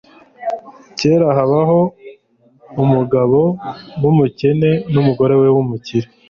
Kera, habaho umugabo wumukene numugore wumukire